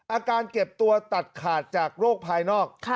อาการเก็บตัวตัดขาดจากโรคภายนอก